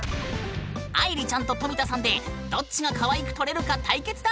愛莉ちゃんと富田さんでどっちがかわいく撮れるか対決だ！